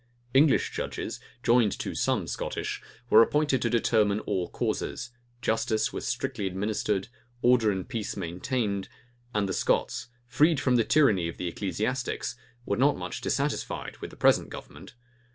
[*] English judges, joined to some Scottish, were appointed to determine all causes; justice was strictly administered; order and peace maintained; and the Scots, freed from the tyranny of the ecclesiastics, were not much dissatisfied with the present government.